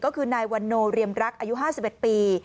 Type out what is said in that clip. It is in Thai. ก็คือนายวันโนเรียมรักอายุ๕๑ปี